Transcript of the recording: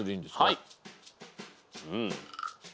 はい。